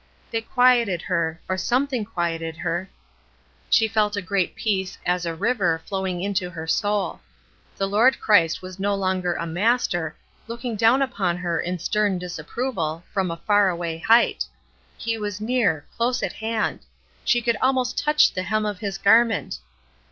They quieted her, or something quieted her. She felt a great peace "as a river" flowing into her soul. The Lord Christ was no longer a Master, looking down upon her in stem dis approval, from a far away height. He was near, close at hand; she could almost touch "the hem of His garment."